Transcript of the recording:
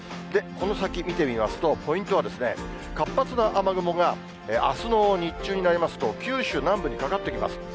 この先見てみますと、ポイントは、活発な雨雲があすの日中になりますと、九州南部にかかってきます。